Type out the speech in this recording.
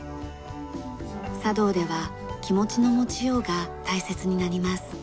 茶道では気持ちの持ちようが大切になります。